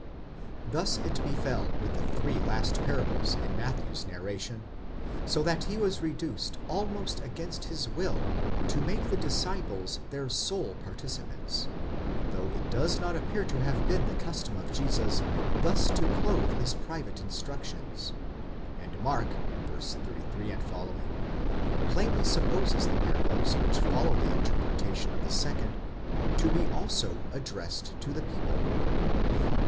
Thus it befel with the three last parables in Matthew's natration; so that he was reduced almost against his will to make the disciples their sole participants, though it does not appear to have been the custom of Jesus thus to clothe his private instructions; and Mark (v. 33 f) plainly supposes the parables which follow the interpretation of the second, to be also addressed to the people."